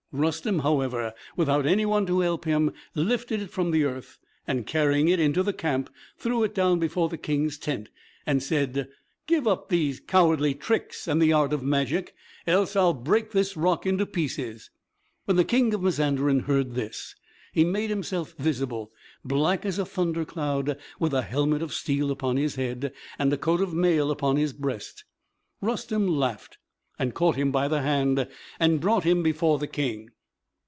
Rustem, however, without any one to help him, lifted it from the earth, and carrying it into the camp, threw it down before the King's tent, and said, "Give up these cowardly tricks and the art of magic, else I will break this rock into pieces." When the King of Mazanderan heard this, he made himself visible, black as a thunder cloud, with a helmet of steel upon his head and a coat of mail upon his breast. Rustem laughed, and caught him by the hand, and brought him before the King.